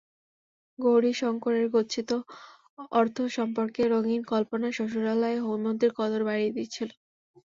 গৌরীশঙ্করের গচ্ছিত অর্থ সম্পর্কে রঙিন কল্পনা শ্বশুরালয়ে হৈমন্তীর কদর বাড়িয়ে দিয়েছিল।